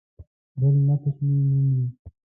بل نقش مومي.